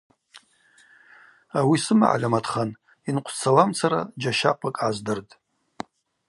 Ауи сымагӏальаматхан йынкъвсцауамцара джьащахъвакӏ гӏаздыртӏ.